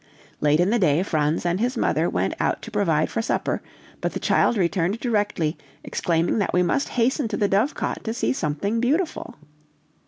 Late in the day Franz and his mother went out to provide for supper, but the child returned directly, exclaiming that we must hasten to the dovecot to see something beautiful.